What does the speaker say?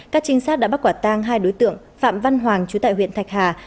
các trinh sát đã bắt quả tang hai đối tượng phạm văn hoàng chú tại huyện thạch hà